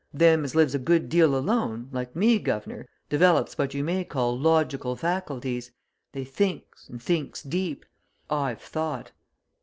Them as lives a good deal alone, like me guv'nor, develops what you may call logical faculties they thinks and thinks deep. I've thought.